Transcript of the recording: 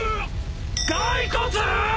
骸骨！？